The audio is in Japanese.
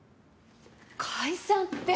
解散って。